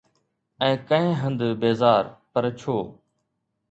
۽ ڪنهن هنڌ بيزار، پر ڇو؟